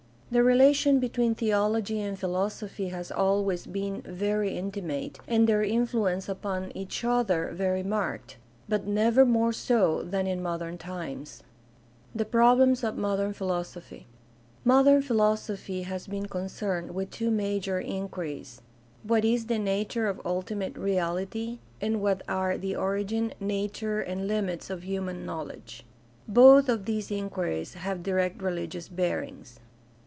The relation between theology and philosophy has always been very intimate and their influence upon each other very marked, but never more so than in modern times. The problems of modem philosophy. — Modern philosophy has been concerned with two major inquiries: What is the nature of ultimate reality ? and What are the origin, nature, and limits of human knowledge ? Both of these inquiries have direct religious bearings.